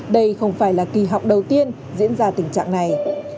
đây không phải là kỳ họp đầu tiên diễn ra tình trạng này